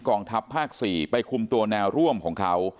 กองทัพภาค๔ไปคุมตัวแนวร่วมของเขา